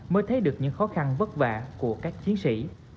mới thấy được những khó khăn vất vả của các chiến sĩ